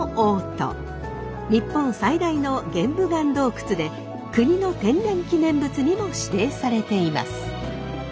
日本最大の玄武岩洞窟で国の天然記念物にも指定されています。